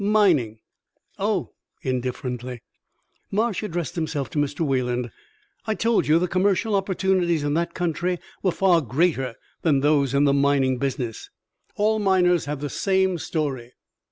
"Mining!" "Oh!" indifferently. Marsh addressed himself to Mr. Wayland: "I told you the commercial opportunities in that country were far greater than those in the mining business. All miners have the same story."